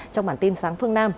trong bản tin sáng phương nam